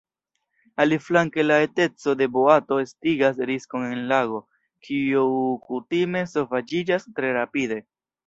Aliflanke la eteco de boato estigas riskon en lago, kiu kutime sovaĝiĝas tre rapide.